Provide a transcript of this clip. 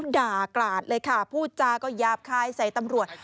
ด่ากราดเลยค่ะพูดจาก็หยาบคายใส่ตำรวจ